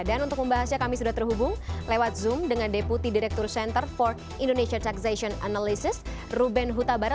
dan untuk membahasnya kami sudah terhubung lewat zoom dengan deputi direktur center for indonesia taxation analysis ruben huta barat